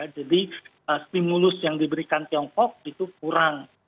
jadi stimulus yang diberikan tiongkok itu kurang